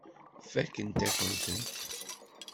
Fakkent-akent-tent.